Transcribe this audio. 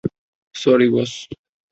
Sorry, বস।